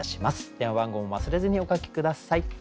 電話番号も忘れずにお書き下さい。